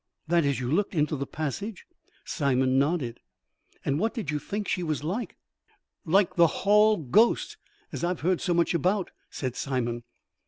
"That is, you looked into the passage?" Simon nodded. "And what did you think she was like?" "Like the hall ghost, as I've heard so much about," said Simon.